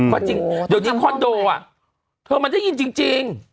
เขาบอกว่าโดคอนโดอะเท่ามันเจ้ายินจริง